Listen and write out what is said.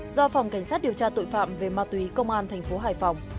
do phòng cảnh sát điều tra tội phạm về ma túy công an thành phố hải phòng